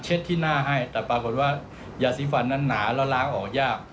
ที่หน้าให้แต่ปรากฏว่ายาสีฟันนั้นหนาแล้วล้างออกยาก